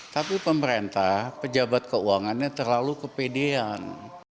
tapi pemerintah pejabat keuangannya terlalu kepedean